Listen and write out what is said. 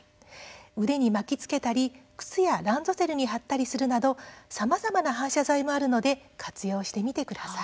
腕に巻きつけたり靴やランドセルに貼ったりするなどさまざまな反射材もあるので活用してみてください。